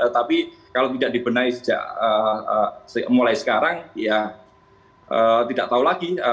tapi kalau tidak dibenahi mulai sekarang ya tidak tahu lagi